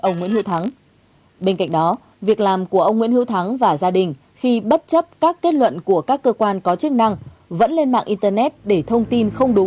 ghi âm mặc cả của ông nguyễn hữu thắng với phía công ty tây phương để xuất đơn kiện